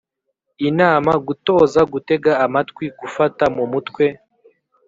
inama, gutoza gutega amatwi, gufata mu mutwe,…